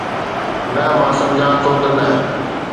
نه، مان سمجهان ٿو ته نه